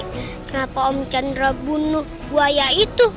kenapa om chandra bunuh buaya itu